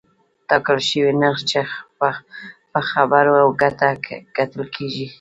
ټاکل شوی نرخ په خیر او ګټه ګڼل کېږي.